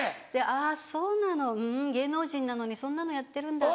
「あぁそうなの芸能人なのにそんなのやってるんだ」